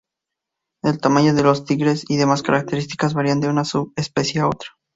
El tamaño de los tigres y demás características varían de una subespecie a otra.